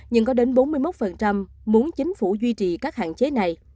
nhưng có đến bốn mươi một muốn chính phủ duy trì các hạn chế này